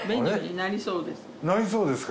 なりそうですか？